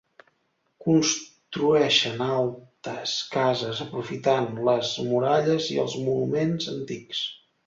Construeixen altes cases aprofitant les muralles i els monuments antics.